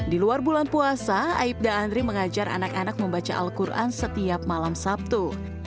di luar bulan puasa aibda andri mengajar anak anak membaca al quran setiap malam sabtu